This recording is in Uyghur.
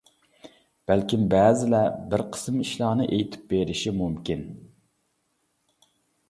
بەلكىم بەزىلەر بىر قىسىم ئىشلارنى ئېيتىپ بېرىشى مۇمكىن.